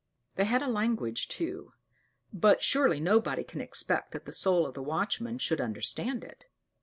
They had a language too; but surely nobody can expect that the soul of the watchman should understand it.